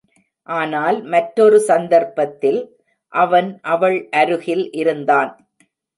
ஆனால் மற்றொரு சந்தர்ப்பத்தில், அவன் அவள் அருகில் இருந்தான்.